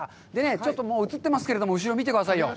ちょっともう映ってますけれども、後ろ見てくださいよ。